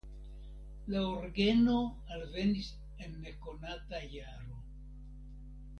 La orgeno alvenis en nekonata jaro.